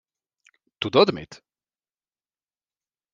Tudod mit?